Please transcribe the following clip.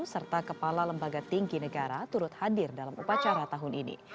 serta kepala lembaga tinggi negara turut hadir dalam upacara tahun ini